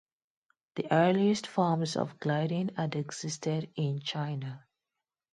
The earliest forms of gliding had existed in China.